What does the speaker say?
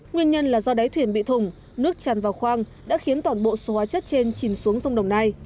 nguyên nhân là do đáy thuyền bị thùng nước tràn vào khoang đã khiến toàn bộ số hóa chất trên chìm xuống sông đồng nai